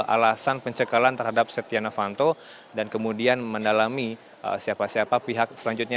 alasan pencekalan terhadap setia novanto dan kemudian mendalami siapa siapa pihak selanjutnya